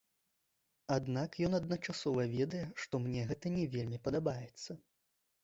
Аднак ён адначасова ведае, што мне гэта не вельмі падабаецца.